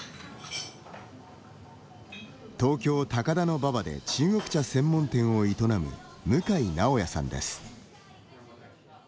東京、高田馬場で中国茶専門店を営む向井直也さんです。